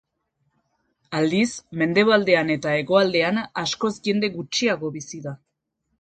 Aldiz, mendebaldean eta hegoaldean, askoz jende gutxiago bizi da.